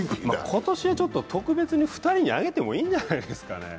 今年は特別に２人にあげてもいいんじゃないですかね。